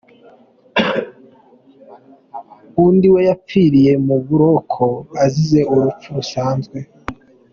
Undi we yapfiriye mu buroko azize urupfu rusanzwe.